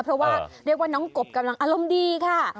เพราะว่าเรียกว่าน้องกบกำลังอารมณ์ดีค่ะ